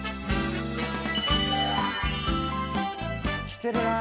来てるな。